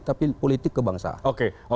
tapi politik kebangsaan